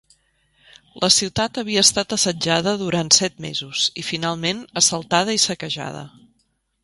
La ciutat havia estat assetjada durant set mesos i finalment assaltada i saquejada.